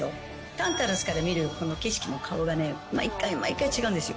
タンタラスから見るこの景色の顔がね、毎回毎回違うんですよ。